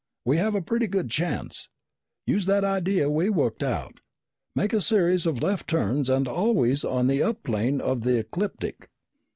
We have a pretty good chance. Use that idea we worked out. Make a series of left turns and always on the up plane of the ecliptic!"